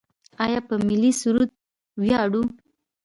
آیا په ملي سرود ویاړو؟